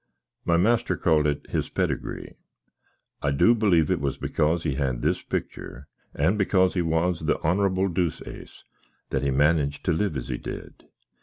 My master called it his podygree. I do bleev it was because he had this pictur, and because he was the Honrabble Deuceace, that he mannitched to live as he did.